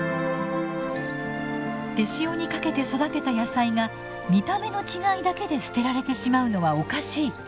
手塩にかけて育てた野菜が見た目の違いだけで捨てられてしまうのはおかしい。